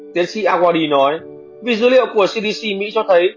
tiến sĩ awadi nói vì dữ liệu của cdc mỹ cho thấy